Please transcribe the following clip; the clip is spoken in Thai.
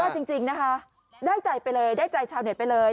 สุดยอดจริงจริงนะคะได้ใจไปเลยได้ใจชาวเน็ตไปเลย